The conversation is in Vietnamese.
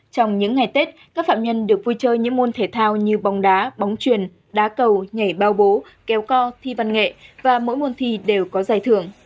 trong những ngày tết các phạm nhân được vui chơi những môn thể thao như bóng đá bóng truyền đá cầu nhảy bao bố kéo co thi văn nghệ và mỗi môn thi đều có giải thưởng